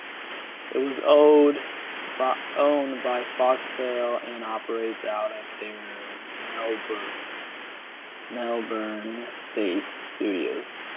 It was owned by Foxtel and operates out of their Melbourne based studios.